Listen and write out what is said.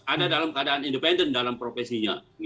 ada dalam keadaan independen dalam profesinya